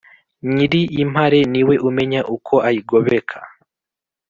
Nyiri impare niwe umenya uko ayigobeka.